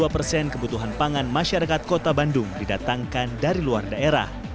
sembilan puluh enam empat puluh dua persen kebutuhan pangan masyarakat kota bandung didatangkan dari luar daerah